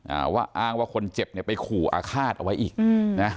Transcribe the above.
อ่าว่าอ้างว่าคนเจ็บเนี่ยไปขู่อาฆาตเอาไว้อีกอืมนะ